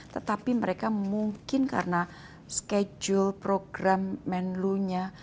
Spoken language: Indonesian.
tetapi mereka mungkin karena schedule program men loonya